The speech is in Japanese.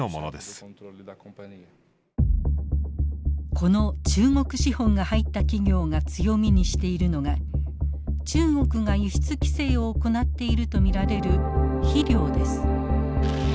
この中国資本が入った企業が強みにしているのが中国が輸出規制を行っていると見られる肥料です。